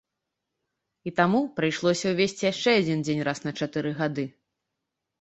І таму прыйшлося ўвесці яшчэ адзін дзень раз на чатыры гады.